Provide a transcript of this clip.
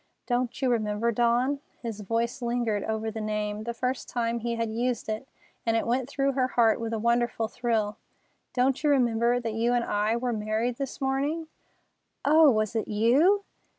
"Don't you remember, Dawn"—his voice lingered over the name, the first time he had used it, and it went through her heart with a wonderful thrill—"don't you remember that you and I were married this morning?" "Oh, was it you?"